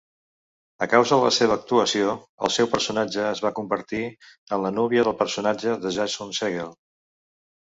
A causa de la seva actuació, el seu personatge es va convertir en la núvia del personatge de Jason Segel.